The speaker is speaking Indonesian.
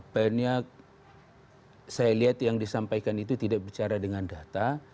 banyak saya lihat yang disampaikan itu tidak bicara dengan data